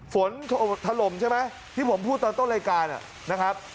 ฝนถล่มใช่ไหมที่ผมพูดตอนต้นรายการนะครับ